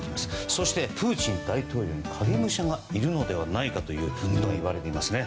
そして、プーチン大統領に影武者がいるのではないかといわれていますね。